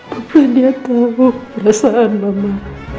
bagaimana dia tahu perasaan mama